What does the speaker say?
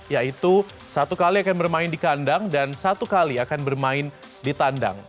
yaitu satu kali akan bermain di kandang dan satu kali akan bermain di tandang